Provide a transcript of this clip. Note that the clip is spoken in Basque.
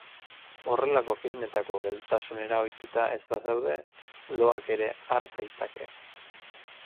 Horrelako filmetako geldotasunera ohituta ez bazaude, loak ere har zaitzake.